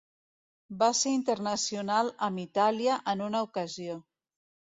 Va ser internacional amb Itàlia en una ocasió.